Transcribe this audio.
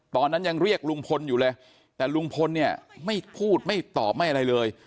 ตอนนั้นยังเรียกลุงพลอยู่เลยแต่ลุงพลเนี่ยไม่พูดไม่ตอบไม่อะไรเลย